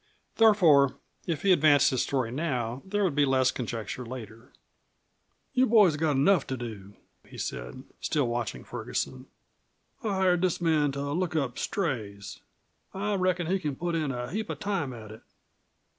Therefore if he advanced his story now there would be less conjecture later. "You boys have got enough to do," he said, still watching Ferguson. "I've hired this man to look up strays. I reckon he c'n put in a heap of time at it."